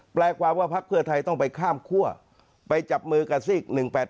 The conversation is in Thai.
แปลว่าพักเพื่อไทยต้องไปข้ามคั่วไปจับมือกับซีก๑๘๘